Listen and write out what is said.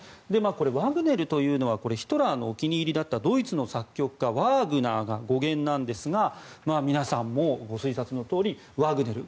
これ、ワグネルというのはヒトラーのお気に入りだったドイツの作曲家、ワーグナーが語源なんですが皆さん、もうご推察のとおりワグネル